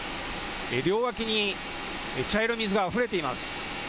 両脇に茶色い水があふれています。